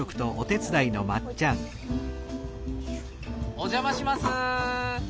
お邪魔します。